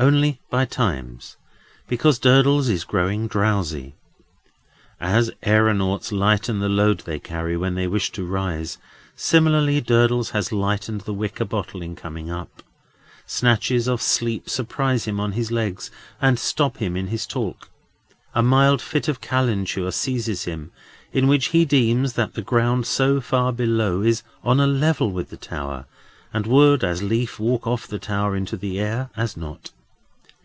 Only by times, because Durdles is growing drowsy. As aëronauts lighten the load they carry, when they wish to rise, similarly Durdles has lightened the wicker bottle in coming up. Snatches of sleep surprise him on his legs, and stop him in his talk. A mild fit of calenture seizes him, in which he deems that the ground so far below, is on a level with the tower, and would as lief walk off the tower into the air as not.